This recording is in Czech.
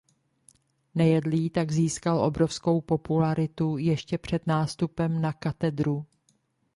Nejedlý tak získal obrovskou popularitu ještě před nástupem na katedru.